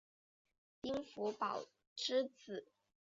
丁福保之子。